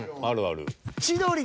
あるある。